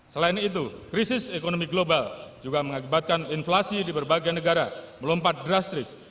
selain itu krisis ekonomi global juga mengakibatkan inflasi di berbagai negara melompat drastis